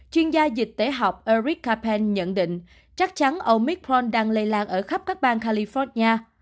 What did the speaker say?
chuyên gia dịch tế họp eric kapan nhận định chắc chắn omicron đang lây lan ở khắp các bang california